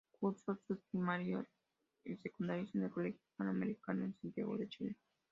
Cursó sus primarios y secundarios en el Colegio Hispano Americano, en Santiago de Chile.